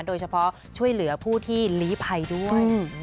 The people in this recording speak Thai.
โดยเฉพาะช่วยเหลือผู้ที่ลีภัยด้วย